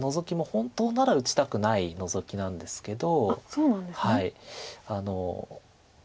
本当なら打ちたくないノゾキなんですけど。